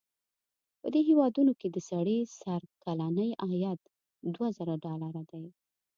په دې هېوادونو کې د سړي سر کلنی عاید دوه زره ډالره دی.